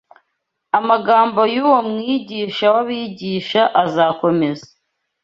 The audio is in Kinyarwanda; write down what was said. Amagambo y’uwo Mwigisha w’abigisha azakomeza